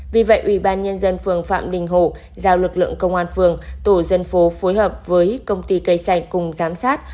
vì vậy ủy ban nhân dân phường phạm đình hồ giao lực lượng công an phường tổ dân phố phối hợp với công ty cây xanh cùng giám sát